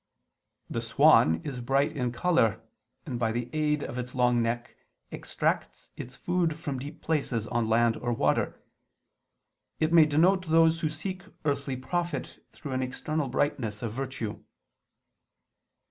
The swan is bright in color, and by the aid of its long neck extracts its food from deep places on land or water: it may denote those who seek earthly profit though an external brightness of virtue.